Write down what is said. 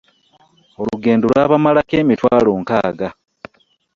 Olugendo lwabamalako emitwalo nkaaga.